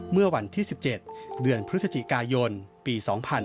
เมื่อวันที่๑๗เดือนพฤศจิกายนปี๒๕๕๙